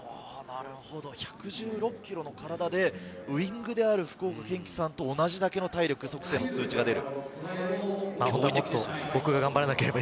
１１６ｋｇの体でウイングである福岡堅樹さんと同じだけの体力測定の数値が出る。